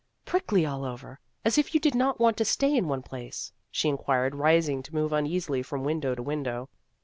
" Prickly all over, and as if you did not want to stay in one place ?" she inquired, rising to move uneasily from window to window.